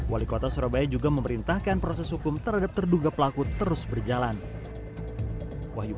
wali kota surabaya eri cahyadi pada jumat tiga maret dua ribu dua puluh tiga telah memecat seorang anggota linmas yang diduga melakukan penganiayaan